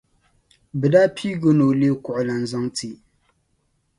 Bi daa piigi o ni o lee kuɣulana zaŋti